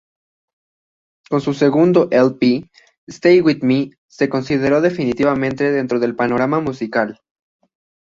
Con su segundo Lp "Stay with me" se consagró definitivamente dentro del panorama musical.